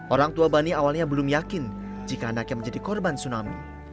orang tua bani awalnya belum yakin jika anaknya menjadi korban tsunami